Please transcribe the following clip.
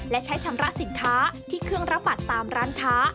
และใช้ชำระสินค้าที่เครื่องรับบัตรตามร้านค้า